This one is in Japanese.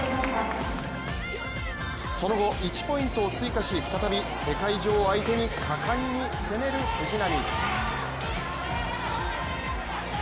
その後、１ポイントを追加し再び世界女王相手に果敢に攻める藤波。